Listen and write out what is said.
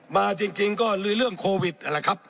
มาจริงก็ลื้อเรื่องโควิดนั่นแหละครับ